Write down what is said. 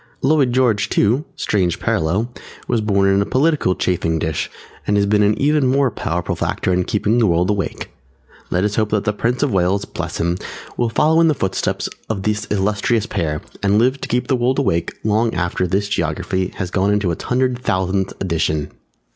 Lloyd George too (strange parallel!) was born in a political chafing dish and has been an even more powerful factor in keeping the world awake. Let us hope that the Prince of Wales (Bless him) will follow in the footsteps of this illustrious pair and live to keep the world awake long after this Geography has gone into its hundred thousandth edition!